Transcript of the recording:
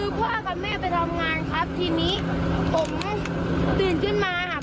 คือพ่อกับแม่ไปทำงานครับทีนี้ผมตื่นขึ้นมาครับ